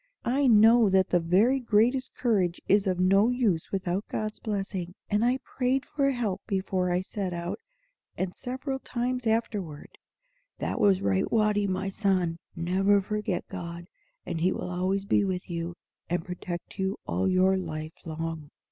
"I know that the very greatest courage is of no use without God's blessing; and I prayed for help before I set out, and several times afterward." "That was right, Watty, my son. Never forget God, and He will always be with you, and protect you all your life long.